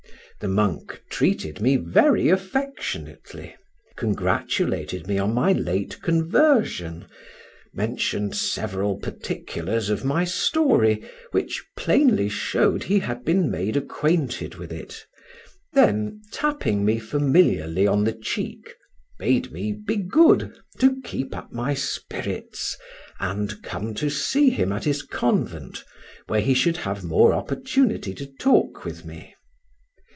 The monk treated me very affectionately, congratulated me on my late conversion, mentioned several particulars of my story, which plainly showed he had been made acquainted with it, then, tapping me familiarly on the cheek, bade me be good, to keep up my spirits, and come to see him at his convent, where he should have more opportunity to talk with me.